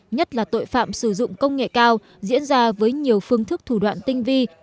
nhất là tội phạm sử dụng công nghệ cao diễn ra với nhiều phương thức thủ đoạn tinh vi